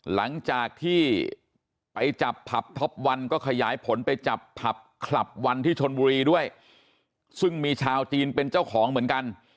หลังจากที่ไปจับผับท็อปวันก็ขยายผลไปจับผับคลับวันที่ชนบุรีด้วยซึ่งมีชาวจีนเป็นเจ้าของเหมือนกัน